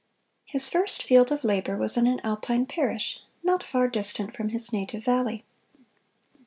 His first field of labor was in an Alpine parish, not far distant from his native valley.